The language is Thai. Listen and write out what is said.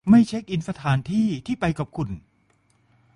ไม่เช็กอินสถานที่ที่ไปกับคุณ